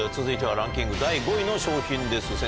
続いてはランキング第５位の商品です。